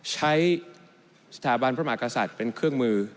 ใช้สถาบันพระมหากษัตริย์เป็นเครื่องมือ